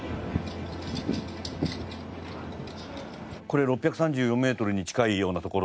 これ６３４メートルに近いような所。